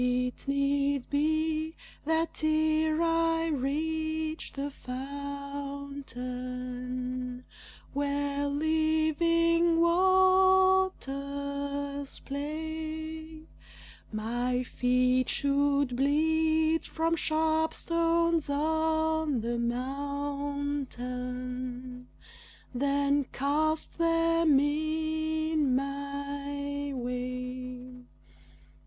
If it need be that ere I reach the fountain Where Living waters play, My feet should bleed from sharp stones on the mountain, Then cast them in my way.